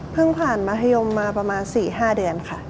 ผ่านมัธยมมาประมาณ๔๕เดือนค่ะ